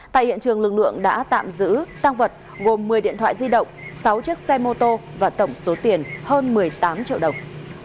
tại hiện trường lực lượng đã tạm giữ tăng vật gồm một mươi điện thoại di động sáu chiếc xe mô tô và tổng số tiền hơn một mươi tám triệu đồng